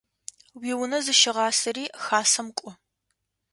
Уиунэ зыщыгъасэри Хасэм кIо.